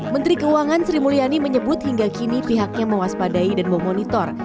menteri keuangan sri mulyani menyebut hingga kini pihaknya mewaspadai dan memonitor